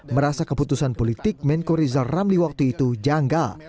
merasa keputusan politik menko rizal ramli waktu itu janggal